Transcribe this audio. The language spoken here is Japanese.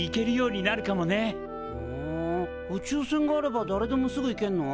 ふん宇宙船があればだれでもすぐ行けるの？